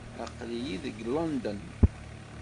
Aql-iyi deg London?